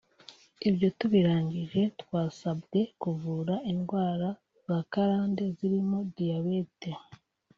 Ibyo tubirangije twasabwe kuvura indwara za karande zirimo diyabete